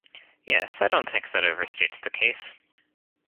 Yes, I don't think that overstates the case.